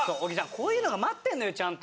こういうのが待ってんのよちゃんと。